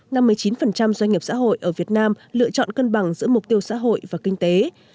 năm mươi chín doanh nghiệp xã hội ở việt nam lựa chọn cân bằng giữa mục tiêu xã hội và kinh tế